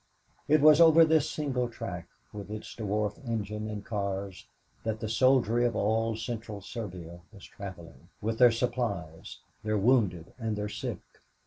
It was over this single track, with its dwarf engine and cars, that the soldiery of all Central Serbia was traveling with their supplies, their wounded and their sick.